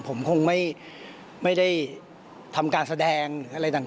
ผมคงไม่ได้ทำการแสดงหรืออะไรต่าง